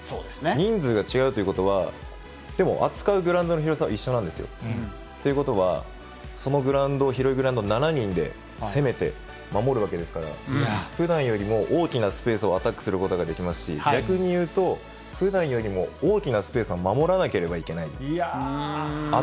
人数が違うということは、でも、扱うグラウンドの広さは一緒なんですよ。ということは、そのグラウンドを、広いグラウンドを７人で攻めて、守るわけですから、ふだんよりも大きなスペースをアタックすることができますし、逆に言うと、ふだんよりも大きなスペースを守らなければいけない。